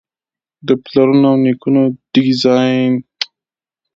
د پلرونو او نیکونو د یزدان شناسۍ صفت یې کړی.